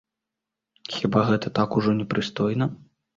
Хіба гэта так ужо непрыстойна?